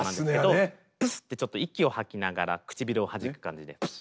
「プスッ！」とちょっと息を吐きながら唇をはじく感じで。